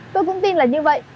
tôi cũng tin là như vậy